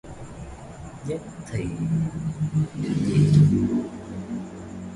Nhất thì, nhì thục